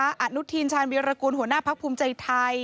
อนุทินชาญวิรากูลหัวหน้าพักภูมิใจไทย